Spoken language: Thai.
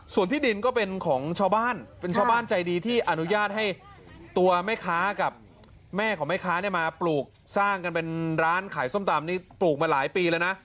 ส่วนที่ดินก็เป็นของชาวบ้านเป็นชาวบ้านใจดีที่อนุญาตให้ตัวแม่ค้ากับแม่ของแม่ค้าเนี่ยมาปลูกสร้างกันเป็นร้านขายส้มตำนี่ปลูกมาหลายปีแล้วนะ